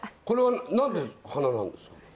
これは何て花なんですか？